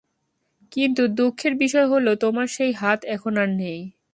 কিন্তু দুঃখের বিষয় হল তোমার সেই হাত এখন আর নেই।